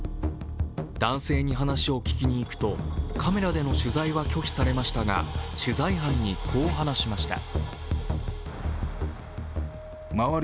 男性に話を聞きにいくと、カメラでの取材は拒否されましたが、取材班に、こう話しました。